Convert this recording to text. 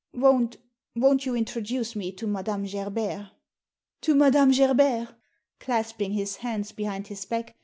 Won't — won't you introduce me to Madame Gerbert?" To Madame Gerbert?" Clasping his hands behind his back, M.